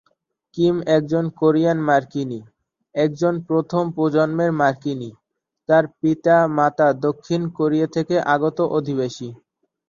Kim একজন Korean মার্কিনী, একজন প্রথম প্রজন্মের মার্কিনী, তার পিতা-মাতা দক্ষিণ কোরিয়া থেকে আগত অধিবাসী।